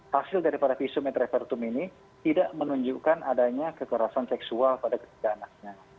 hasil daripada visum et repertum ini tidak menunjukkan adanya kekerasan seksual pada ketiga anaknya